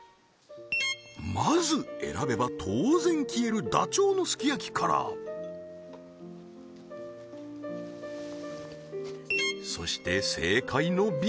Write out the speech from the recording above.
まず選べば当然消えるダチョウのすき焼きからそして正解のＢ